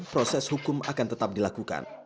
proses hukum akan tetap dilakukan